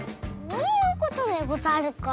そういうことでござるか。